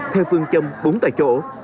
theo phương châm bốn tại chỗ